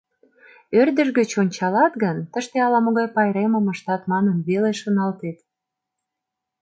Ӧрдыж гыч ончалат гын, «тыште ала-могай пайремым ыштат» манын веле шоналтет.